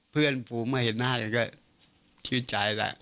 เพื่อนฟูไม่เห็นหน้ากันก็ชื่อใจแหละ